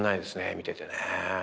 見ててね